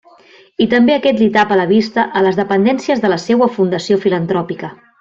I també aquest li tapa la vista a les dependències de la seua fundació filantròpica.